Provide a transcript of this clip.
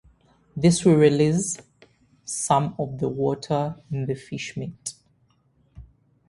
This will "release" some of the water in the fish meat.